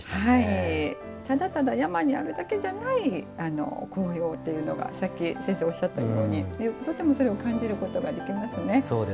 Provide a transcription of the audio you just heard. ただただ山にあるだけじゃない紅葉っていうのがさっき先生がおっしゃったようにとてもそれを感じることができますね。